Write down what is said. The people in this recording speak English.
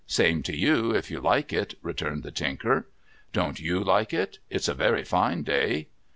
' Same to you, if you like it,' returned the Tinker. * Don't you like it ? It's a very fine day.'